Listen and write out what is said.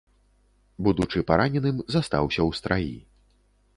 Будучы параненым застаўся ў страі.